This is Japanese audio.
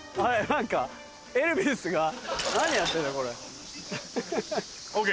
何かエルヴィスが何やってんだこれ。ＯＫ！